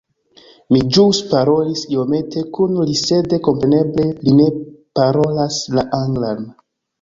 Mi ĵus parolis iomete kun li sed kompreneble li ne parolas la anglan